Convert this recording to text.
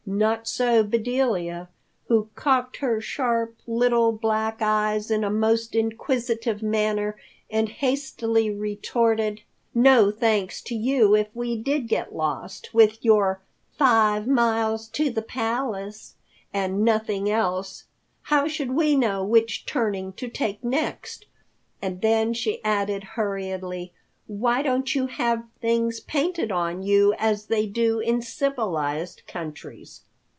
Not so Bedelia, who cocked her sharp, little, black eyes in a most inquisitive manner and hastily retorted, "No thanks to you if we did get lost, with your 'Five miles to the Palace' and nothing else. How should we know which turning to take next?" And then she added hurriedly, "Why don't you have things painted on you as they do in civilized countries?"